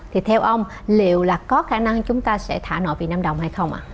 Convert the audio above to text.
thì theo ông liệu là có khả năng chúng ta sẽ thả nội việt nam đồng hay không